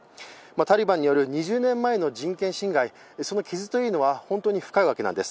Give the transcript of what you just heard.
タリバンによる２０年前の人権侵害、その傷というのは本当に深いわけなんです。